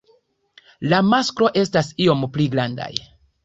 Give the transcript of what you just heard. La masklo estas iom pli grandaj.